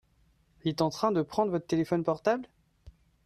Il est en train de prendre votre téléphone portable ?